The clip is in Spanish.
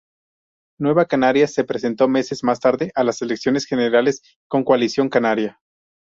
Nueva Canarias se presentó meses más tarde a las elecciones generales con Coalición Canaria.